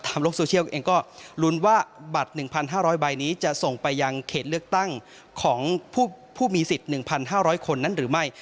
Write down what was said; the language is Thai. โลกโซเชียลเองก็ลุ้นว่าบัตร๑๕๐๐ใบนี้จะส่งไปยังเขตเลือกตั้งของผู้มีสิทธิ์๑๕๐๐คนนั้นหรือไม่